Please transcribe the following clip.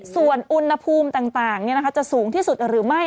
ส่วนอุณหภูมิต่างเนี่ยนะคะจะสูงที่สุดหรือไม่